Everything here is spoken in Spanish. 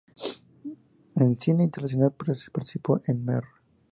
En cine internacional, participó en "Mr.